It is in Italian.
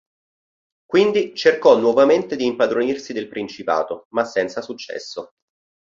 Quindi cercò nuovamente di impadronirsi del principato, ma senza successo.